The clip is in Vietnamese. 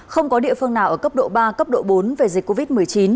không có địa phương nào ở cấp độ ba cấp độ bốn về dịch covid một mươi chín